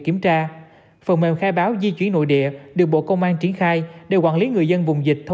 kiểm tra phần mềm khai báo di chuyển nội địa được bộ công an triển khai để quản lý người dân vùng dịch thông